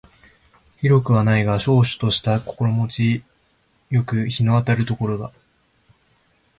広くはないが瀟洒とした心持ち好く日の当たる所だ